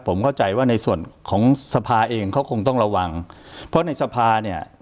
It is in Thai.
ผมเข้าใจว่าในส่วนของสภาเองเขาคงต้องระวังเพราะในสภาเนี่ย